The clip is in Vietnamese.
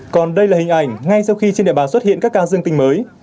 còn đây là hình ảnh ngay sau khi trên địa bàn xuất hiện các ca dương tính mới